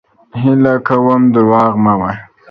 هيله کوم دروغ مه وايه!